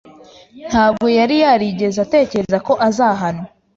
Ntabwo yari yarigeze atekereza ko azahanwa.